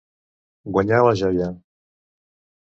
Guanyar la joia.